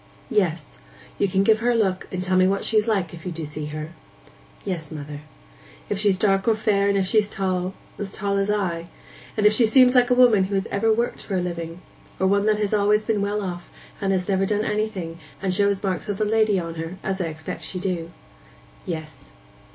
'Yes ... You can give her a look, and tell me what's she's like, if you do see her.' 'Yes, mother.' 'If she's dark or fair, and if she's tall—as tall as I. And if she seems like a woman who has ever worked for a living, or one that has been always well off, and has never done anything, and shows marks of the lady on her, as I expect she do.' 'Yes.